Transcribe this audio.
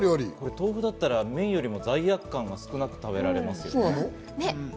豆腐だったら麺よりも罪悪感がなく食べられますね。